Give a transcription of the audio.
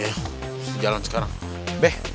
harus cari duit kemana ya